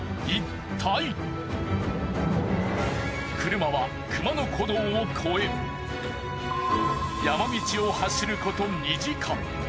車は熊野古道を越え山道を走ること２時間。